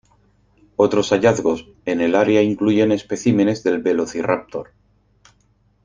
Otros hallazgos en el área incluyen especímenes del "Velociraptor".